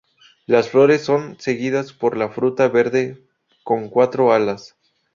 Las flores son seguidas por la fruta verde, con cuatro alas.